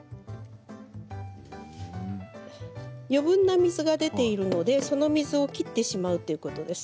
余分な水が出ているのでその水を切ってしまいます。